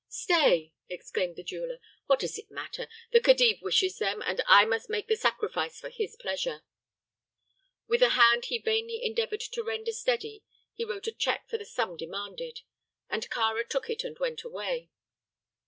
"Stay!" exclaimed the jeweler. "What does it matter? The Khedive wishes them, and I must make the sacrifice for his pleasure." With a hand he vainly endeavored to render steady he wrote a check for the sum demanded, and Kāra took it and went away.